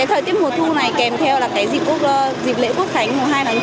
thời tiết mùa thu này kèm theo dịp lễ quốc khánh hôm hai tháng chín